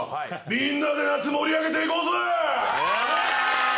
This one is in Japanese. みんなで夏盛り上げていこうぜ！